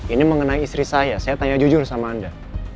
ini mengenai istri saya saya tanya jujur sama anda